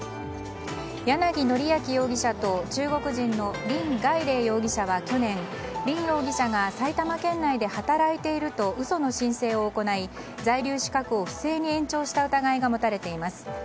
楊徳明容疑者と、中国人のリン・ガイレイ容疑者は去年リン容疑者が埼玉県内で働いていると嘘の申請を行い、在留資格を不正に延長した疑いが持たれています。